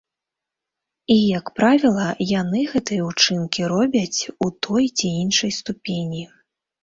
І, як правіла, яны гэтыя ўчынкі робяць, у той ці іншай ступені.